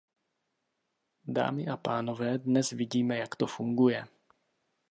Dámy a pánové, dnes vidíme, jak to funguje.